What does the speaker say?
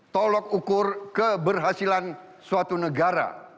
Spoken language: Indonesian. tolok ukur keberhasilan suatu negara